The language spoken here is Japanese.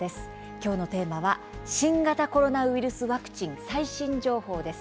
きょうのテーマは新型コロナウイルスワクチン最新情報です。